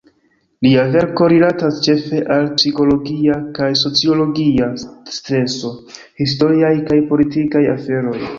Lia verko rilatas ĉefe al psikologia kaj sociologia streso, historiaj kaj politikaj aferoj.